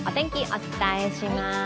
お伝えします。